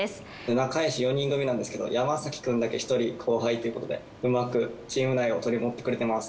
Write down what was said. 仲よし４人組なんですけど山くんだけ１人後輩ということでうまくチーム内を取り持ってくれてます。